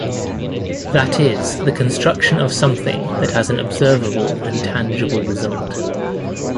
That is, the construction of something that has an observable and tangible result.